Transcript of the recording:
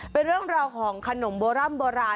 เป็นเรื่องราวของขนมโบร่ำโบราณ